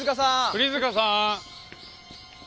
栗塚さん！